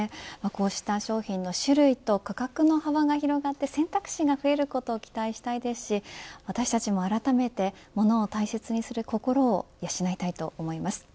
こうした商品の種類と価格の幅が広がって、選択肢が増えることを期待したいですし私たちもあらためてものを大切にする心を養いたいと思います。